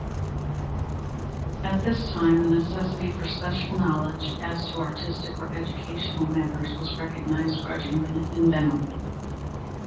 At this time the necessity for special knowledge as to artistic or educational matters was recognized grudgingly in Benham.